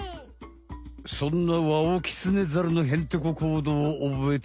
そんなワオキツネザルのヘンテコ行動をおぼえているかな？